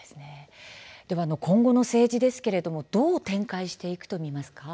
では今後の政治ですがどう展開していくと思いますか。